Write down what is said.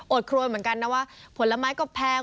ครัวเหมือนกันนะว่าผลไม้ก็แพง